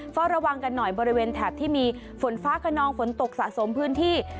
เฝ้าระวังกันหน่อยบริเวณแถบที่มีฝนฟ้าขนองฝนตกสะสมพื้นที่